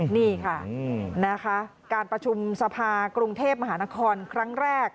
นี่ค่ะนะคะการประชุมสภากรุงเทพมหานครครั้งแรก